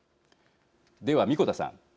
では、神子田さん。